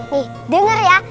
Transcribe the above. nih denger ya